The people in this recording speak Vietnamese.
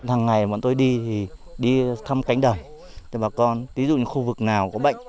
thằng này bọn tôi đi thăm cánh đầm tí dụ những khu vực nào có bệnh